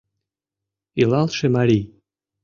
Илалше марий.